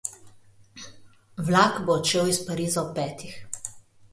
Vlak bo odšel iz Pariza ob petih.